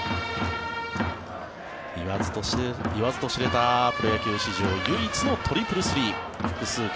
言わずと知れたプロ野球史上唯一のトリプルスリー複数回